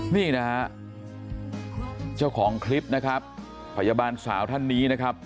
นี่นะฮะเจ้าของคลิปนะครับพยาบาลสาวท่านนี้นะครับ